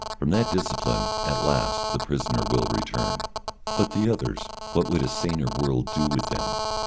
From that discipline at last the prisoners will return. But the others; what would a saner world do with them?